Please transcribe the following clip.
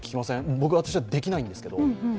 僕はできないんですけど。